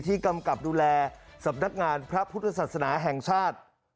กำกับดูแลสำนักงานพระพุทธศาสนาแห่งชาติ